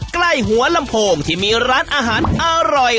ใกล้หัวลำโพงที่มีร้านอาหารอร่อย